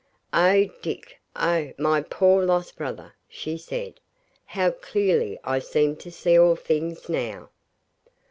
'Oh, Dick! oh, my poor lost brother,' she said, 'how clearly I seem to see all things now.